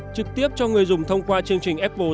trực tiếp cho người dùng thông qua chương trình apple